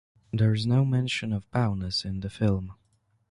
There is no mention of Bowness in the film.